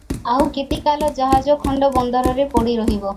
ଆଉ କେତେକାଳ ଜାହାଜଖଣ୍ଡ ବନ୍ଦରରେ ପଡ଼ି ରହିବ?